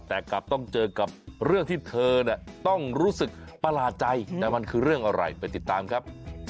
แต่กลับต้องเจอกับเรื่องที่เธอต้องรู้สึกประหลาดใจแต่มันคือเรื่องอะไรไปติดตามครับ